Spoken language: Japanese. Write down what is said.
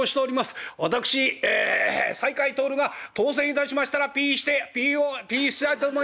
サイカイトオルが当選いたしましたらぴしてぴをぴしたいと思います。